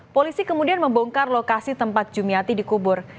polisi kemudian membongkar lokasi tempat jumiati dikubur